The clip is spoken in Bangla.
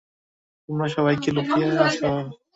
তোমরা সবাই কি লুকিয়ে আছো?